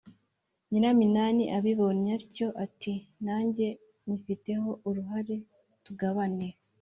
nyiraminani abibonye atyo ati: “nange nyifiteho uruhare, tugabane”!